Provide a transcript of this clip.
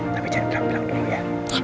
tapi jangan terlalu pelan dulu ya